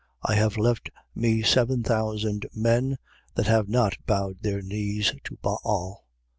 I have left me seven thousand men that have not bowed their knees to Baal.